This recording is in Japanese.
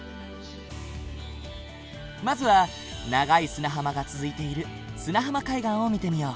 まずは長い砂浜が続いている砂浜海岸を見てみよう。